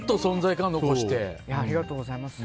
ありがとうございます。